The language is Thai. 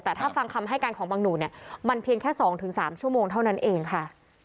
แต่ถ้าฟังคำให้การของบังหนูเนี่ยมันเพียงแค่๒๓ชั่วโมงเท่านั้นเองค่ะ